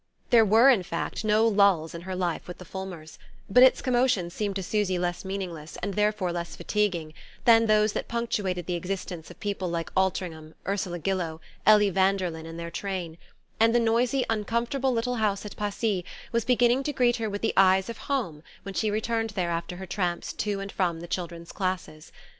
There were, in fact, no lulls in her life with the Fulmers; but its commotions seemed to Susy less meaningless, and therefore less fatiguing, than those that punctuated the existence of people like Altringham, Ursula Gillow, Ellie Vanderlyn and their train; and the noisy uncomfortable little house at Passy was beginning to greet her with the eyes of home when she returned there after her tramps to and from the children's classes.